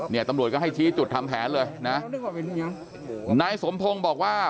เนี่ยตำรวจก็ให้ชี้จุดทำแผนเลยนะนายสมพงศ์บอกว่า